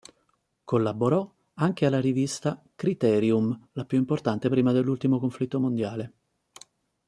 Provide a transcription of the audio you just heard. Collaborò anche alla rivista "Criterium", la più importante prima dell'ultimo conflitto mondiale.